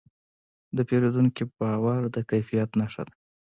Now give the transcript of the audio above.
د پیرودونکي باور د کیفیت نښه ده.